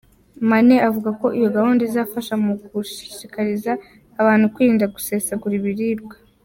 Manneh avuga ko iyo gahunda izafasha mu gushikariza abantu kwirinda gusesagura ibiribwa.